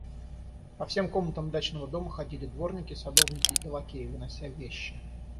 По всем комнатам дачного дома ходили дворники, садовники и лакеи, вынося вещи.